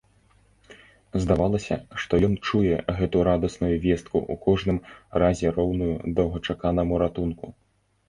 Здавалася, што ён чуе гэта радасную вестку, у кожным разе роўную доўгачаканаму ратунку.